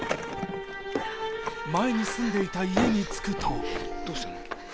前に住んでいた家に着くとどうしたの？